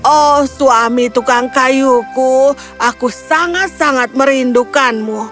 oh suami tukang kayu ku aku sangat sangat merindukanmu